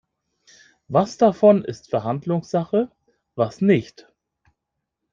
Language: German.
Was davon ist Verhandlungssache, was nicht?